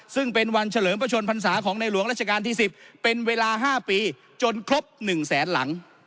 ซึ่งเป็นวันเฉลิมพระชนพรรษาของในหลวงราชการที่๑๐เป็นเวลา๕ปีจนครบ๑แสนหลัง